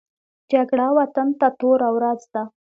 جګړه وطن ته توره ورځ ده